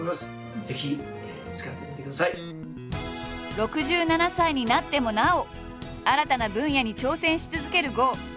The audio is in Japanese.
６７歳になってもなお新たな分野に挑戦し続ける郷。